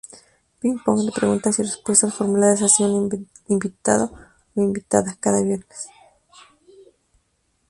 Ping-pong de preguntas y respuestas formuladas hacia un invitado o una invitada, cada viernes.